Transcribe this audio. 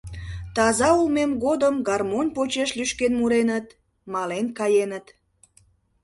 Таза улмем годым гармонь почеш лӱшкен муреныт, мален каеныт.